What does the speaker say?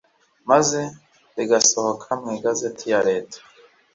maze rigasohoka mu Igazeti ya Leta